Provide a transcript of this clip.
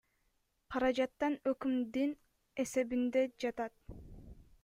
Каражаттан ӨКМдин эсебинде жатат.